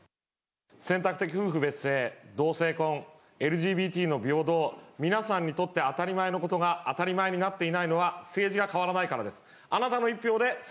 選択的夫婦別姓、同性婚、ＬＧＢＴの平等、皆さんにとって当たり前のことが当たり前になっていないのは政治が変わらないからです。